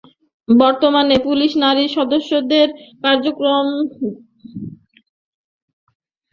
বর্তমানে পুলিশের নারী সদস্যদের কার্যক্রম ভিকটিম সাপোর্ট সেন্টার এবং তদন্তের মধ্যে থেমে নেই।